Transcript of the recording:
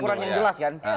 kita kasih penjelasan dulu